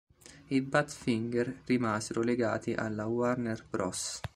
I Badfinger rimasero legati alla Warner Bros.